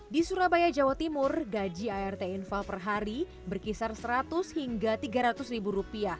di surabaya jawa timur gaji art infal per hari berkisar rp seratus hingga rp tiga ratus ribu rupiah